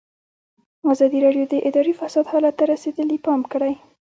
ازادي راډیو د اداري فساد حالت ته رسېدلي پام کړی.